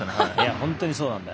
本当にそうなんだよ。